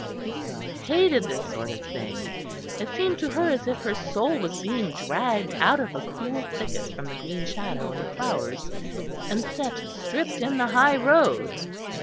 Isabel hated this sort of thing. It seemed to her as if her soul was being dragged out of a cool thicket from the green shadow and the flowers, and set, stripped, in the high road.